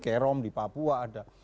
krom di papua ada